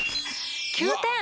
９点。